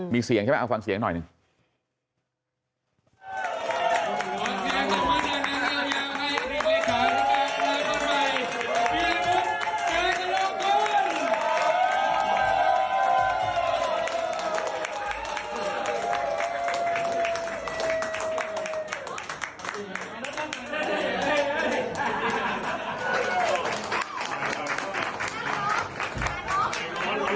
มีเสียงใช่ไหมเอาฟังเสียงหน่อยหนึ่ง